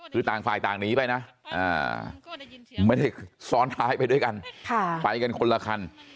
คือต่างฝ่ายต่างหนีไปนะไม่ได้ซ้อนท้ายไปด้วยกันไปกันคนละคัน